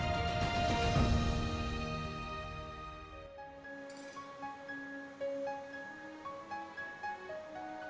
ini agar gli menaruh kekuatan dan melindungi saudara dan saudaranya